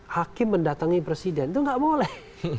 hakim mendatangi presiden itu nggak boleh